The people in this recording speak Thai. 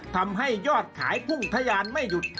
ทำให้ยอดขายพุ่งทะยานไม่หยุด